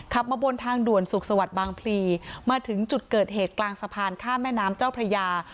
มาบนทางด่วนสุขสวัสดิ์บางพลีมาถึงจุดเกิดเหตุกลางสะพานข้ามแม่น้ำเจ้าพระยา